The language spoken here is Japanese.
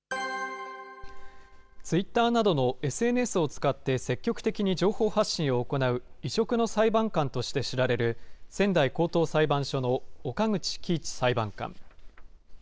ツイッターなどのＳＮＳを使って積極的に情報発信を行う異色の裁判官として知られる、仙台高等裁判所の岡口基一裁判官。